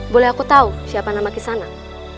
boleh aku tau siapa nama kisanak